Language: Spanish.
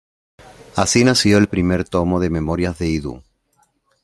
Así nació el primer tomo de Memorias de Idhún.